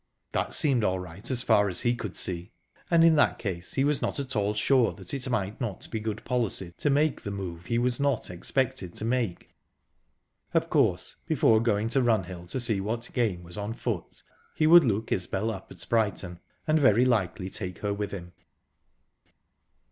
That seemed all right as far as he could see. And in that case he was not at all sure that it might not be good policy to make the move he was not expected to make. Of course, before going to Runhill, to see what game was on foot, he would look Isbel up at Brighton, and very likely take her with him.